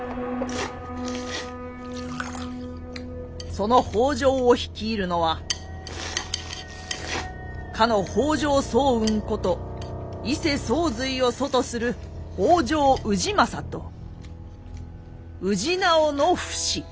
その北条を率いるのはかの北条早雲こと伊勢宗瑞を祖とする北条氏政と氏直の父子。